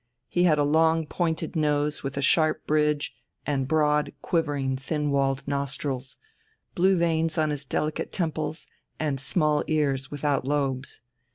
He had a long pointed nose with a sharp bridge and broad, quivering, thin walled nostrils, blue veins on his delicate temples and small ears without lobes.